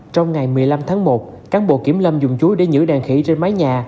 trong ngày một mươi năm tháng một cán bộ kiểm lâm dùng chuối để giữ đàn khỉ trên mái nhà